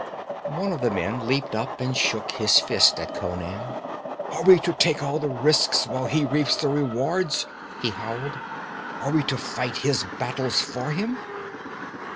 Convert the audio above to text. One of the men leaped up and shook his fist at Conan. 'Are we to take all the risks while he reaps the rewards?' he howled. 'Are we to fight his battles for him?'